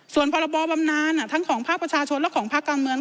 ส่วนพรบบำนานทั้งของภาคประชาชนและของภาคการเมือง